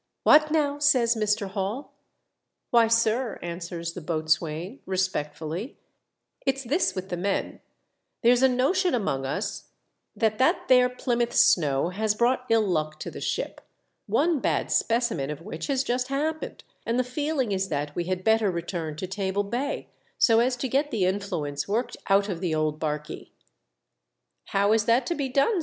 "What now?" says Mr. Hall. "Why, sir," answers the boatswain, re spectfully, "it's this with the men: there's a notion among us that that there Plymouth snow has brought ill luck to the ship, one bad specimen of which has just happened ; and the feeling is that we had better return to Table Bay, so as to get the influence worked out of the old barkey." *' How is that to be done